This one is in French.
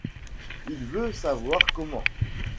Il veut savoir comment.